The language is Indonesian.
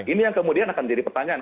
ini yang kemudian akan jadi pertanyaan